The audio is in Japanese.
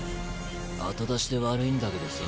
後出しで悪いんだけどさ。